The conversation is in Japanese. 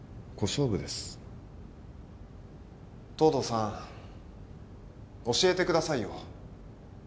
藤堂さん教えてくださいよ。